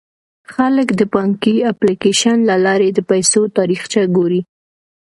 خلک د بانکي اپلیکیشن له لارې د پيسو تاریخچه ګوري.